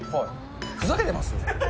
ふざけてます？